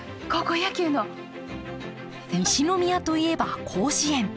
西宮といえば甲子園。